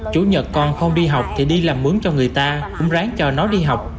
chủ nhật con không đi học thì đi làm mướn cho người ta cũng ráng cho nó đi học